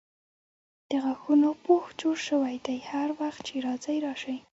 د غاښونو پوښ جوړ سوی دی هر وخت چې راځئ راسئ.